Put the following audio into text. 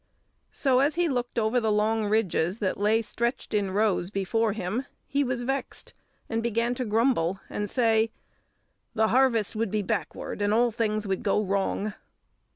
"] So, as he looked over the long ridges that lay stretched in rows before him, he was vexed, and began to grumble, and say, "The harvest would be backward, and all things would go wrong."